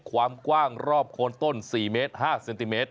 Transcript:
ความกว้างรอบโคนต้น๔เมตร๕เซนติเมตร